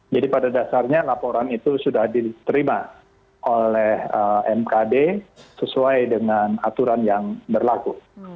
jadi pada dasarnya laporan itu sudah diterima oleh mkd sesuai dengan aturan yang berlaku